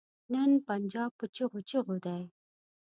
نن پنجاب په چيغو چيغو دی.